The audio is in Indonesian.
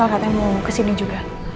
mas al katanya mau kesini juga